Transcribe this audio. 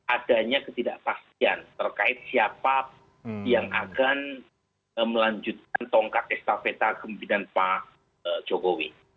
adanya ketidakpastian terkait siapa yang akan melanjutkan tongkat estafeta kemimpinan pak jokowi